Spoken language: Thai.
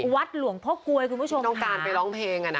วัดหลวงพ่อกลวยคุณผู้ชมต้องการไปร้องเพลงอ่ะน่ะ